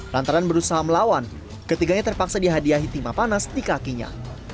lantaran berusaha melawan ketiganya terpaksa dihadiahi timah panas di kakinya